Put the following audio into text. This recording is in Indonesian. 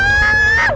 serahin dia dulu